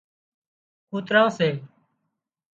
ڪوتران سي